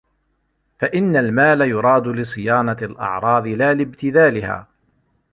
فَإِنَّ الْمَالَ يُرَادُ لِصِيَانَةِ الْأَعْرَاضِ لَا لِابْتِذَالِهَا